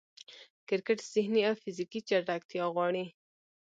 کرکټ ذهني او فزیکي چټکتیا غواړي.